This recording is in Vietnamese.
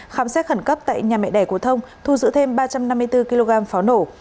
khám xét khẩn cấp tại nhà mẹ đẻ của thông thu giữ thêm ba trăm năm mươi bốn kg pháo nổ